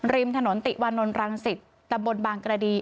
ริมถนนติวานนท์รังสิตตำบลบางกระดี